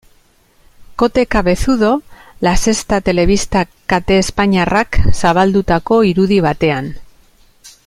Kote Cabezudo, La Sexta telebista kate espainiarrak zabaldutako irudi batean.